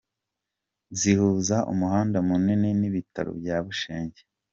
Zihuza umuhanda munini n’ibitaro bya Bushenge!